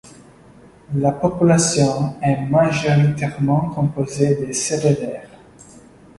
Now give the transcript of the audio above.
La population est majoritairement composée de Sérères.